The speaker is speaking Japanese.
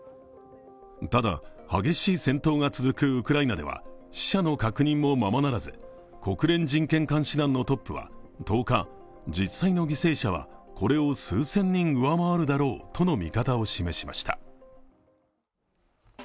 ただ、激しい戦闘が続くウクライナでは死者の確認もままならず国連人権監視団のトップは１０日、実際の犠牲者はこれを数千人上回るだろうとの見方を示しました。